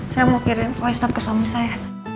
saya mau kirim voice stop ke suami saya